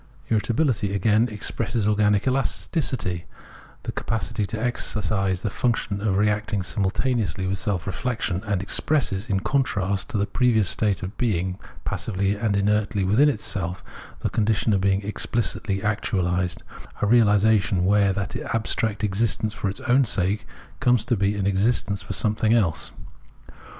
Irritabihty, again, expresses organic elasticity, the capacity to exercise the function of reacting simul taneously with self reflexion, and expresses, in contrast to the previous state of being passively and inertly within itself, the condition of being exphcitly actuahsed — a reahsation, where that abstract existence for its own sake comes to be an existence for something else.